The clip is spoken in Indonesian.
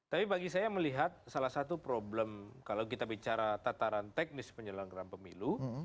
tapi bagi saya melihat salah satu problem kalau kita bicara tataran teknis penyelenggaraan pemilu